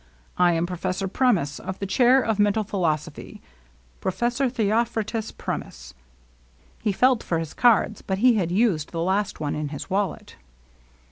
I am Professor Premice, of the Chair of Mental Philosophy, — Professor Theophras tus Premice." He felt for his cards, but he had used the last one in his wallet.